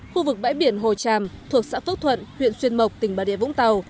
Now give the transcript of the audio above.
khu vực bãi biển hồ tràm thuộc xã phước thuận huyện xuyên mộc tỉnh bà địa vũng tàu